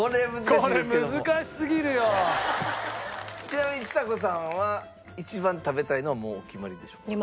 ちなみにちさ子さんは一番食べたいのはもうお決まりでしょうか？